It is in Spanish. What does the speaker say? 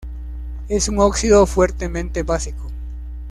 Es un óxido fuertemente básico.